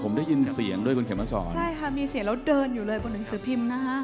ผมได้ยินเสียงด้วยคุณเข็มมาสอนใช่ค่ะมีเสียงแล้วเดินอยู่เลยบนหนังสือพิมพ์นะฮะ